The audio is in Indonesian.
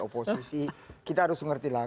oposisi kita harus mengertilah